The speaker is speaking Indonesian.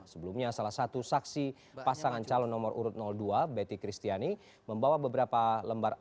sebelumnya salah satu saksi pasangan calon nomor urut dua betty kristiani membawa beberapa lembar